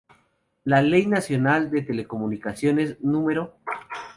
La Ley Nacional de Telecomunicaciones n°.